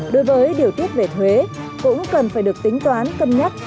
đối với điều tiết về thuế cũng cần phải được tính toán cân nhắc